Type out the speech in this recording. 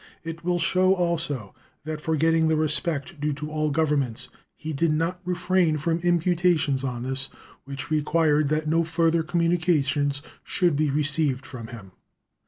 It will show also that, forgetting the respect due to all governments, he did not refrain from imputations on this, which required that no further communications should be received from him.